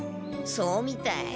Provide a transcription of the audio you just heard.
そうみたい。